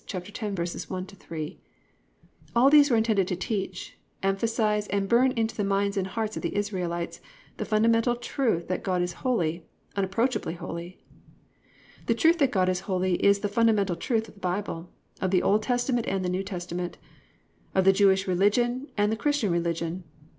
10:1 3: all these were intended to teach, emphasise and burn into the minds and hearts of the Israelites the fundamental truth that God is holy, unapproachably holy. The truth that God is holy is the fundamental truth of the Bible, of the Old Testament and the New Testament, of the Jewish religion and the Christian religion.